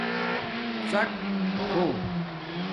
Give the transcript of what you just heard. ڎاٹ ہو